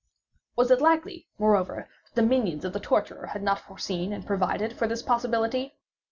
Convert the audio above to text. Was it likely, moreover, that the minions of the torturer had not foreseen and provided for this possibility?